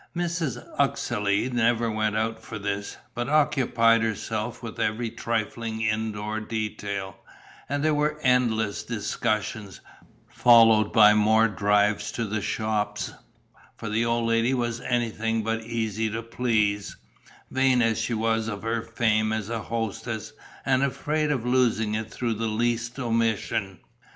Mrs. Uxeley never went out for this, but occupied herself with every trifling indoor detail; and there were endless discussions, followed by more drives to the shops, for the old lady was anything but easy to please, vain as she was of her fame as a hostess and afraid of losing it through the least omission.